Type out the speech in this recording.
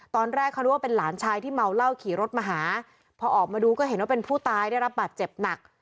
ตอนแรกเขานึกว่าเป็นหลานชายที่เมาเหล้าขี่รถมาหาพอออกมาดูก็เห็นว่าเป็นผู้ตายได้รับบาดเจ็บหนัก